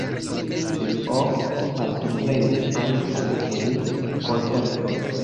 Li ofte partoprenis ankaŭ en koncertoj.